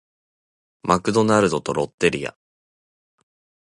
マクドナルドとロッテリア